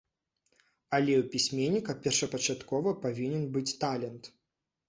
Але ў пісьменніка першапачаткова павінен быць талент.